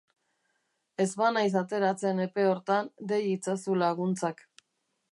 Ez banaiz ateratzen epe hortan, dei itzazu laguntzak.